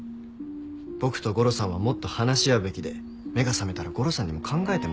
僕とゴロさんはもっと話し合うべきで目が覚めたらゴロさんにも考えてもらいましょうって。